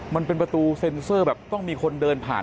มันเป็นประตูเซ็นเซอร์แบบต้องมีคนเดินผ่าน